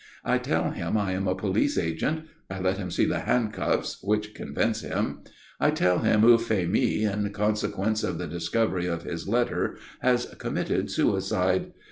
I tell him I am a police agent. I let him see the handcuffs, which convince him. I tell him Euphémie, in consequence of the discovery of his letter, has committed suicide.